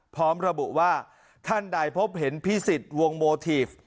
พร้อมระบุว่าท่านใดพบเห็นพิสิทธิ์วงโมทีฟ